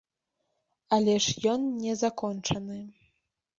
Але ж ён не закончаны.